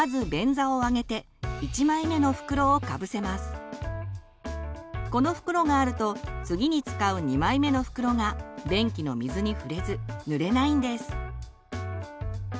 まずこの袋があると次に使う２枚目の袋が便器の水に触れずぬれないんです。